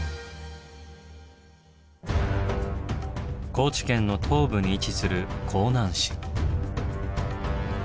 高知県の東部に位置する香南市。